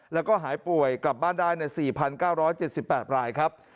แล้วก็หายป่วยกลับบ้านได้ใน๔๙๗๘รายครับ